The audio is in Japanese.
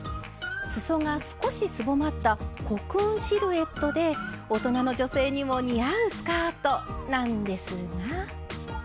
すそが少しすぼまったコクーンシルエットで大人の女性にも似合うスカートなんですが。